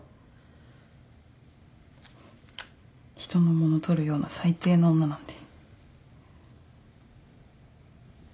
人のもの取るような最低な女なんで。